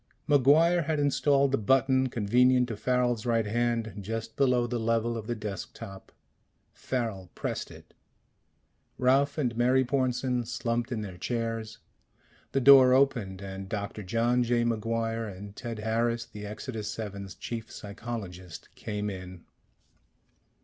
MacGuire had installed the button convenient to Farrel's right hand, just below the level of the desk top. Farrel pressed it. Ralph and Mary Pornsen slumped in their chairs. The door opened, and Doctor John J. MacGuire and Ted Harris, the Exodus VII's chief psychologist, came in.